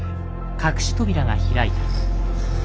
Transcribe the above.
隠し扉が開いた。